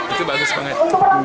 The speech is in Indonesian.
itu bagus banget